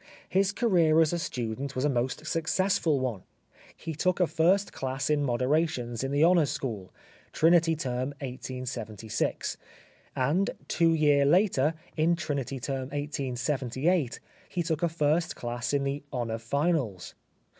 His career as a student was a most successful one. He took a First Class in Moderations in the Honours School (Trinity Term 1876), and two year later, in Trinity Term 1878, he took a First Class in the " Honour Finals."